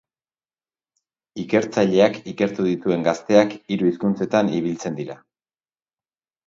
Ikertzaileak ikertu dituen gazteak hiru hizkuntzetan ibiltzen dira.